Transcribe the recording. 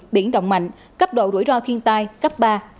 biển động mạnh cấp độ rủi ro thiên tai cấp ba